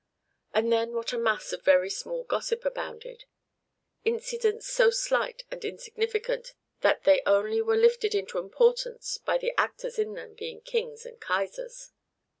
And then what a mass of very small gossip abounded, incidents so slight and insignificant that they only were lifted into importance by the actors in them being Kings and Kaisers!